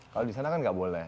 kalau di sana kan nggak boleh